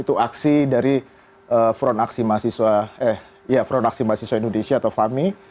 itu aksi dari front aksi mahasiswa indonesia atau fami